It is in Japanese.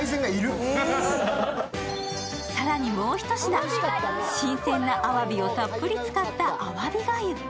更にもう一品、新鮮なあわびをたっぷり使った、あわびがゆ。